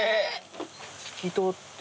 透き通って。